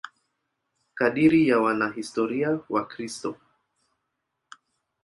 Kadiri ya wanahistoria Wakristo.